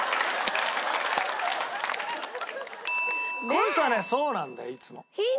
この人はねそうなんだよいつも。